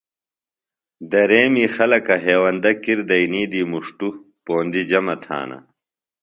دریمی خلکہ ہیوندہ کِر دئینی دی مُݜٹوۡ پوندیۡ جمع تھانہ۔